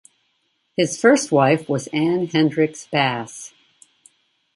His first wife was Anne Hendricks Bass.